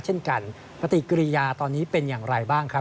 เช่นกันปฏิกิริยาตอนนี้เป็นอย่างไรบ้างครับ